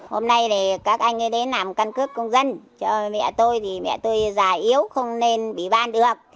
hôm nay các anh ấy đến làm căn cước công dân mẹ tôi già yếu không nên bị ban được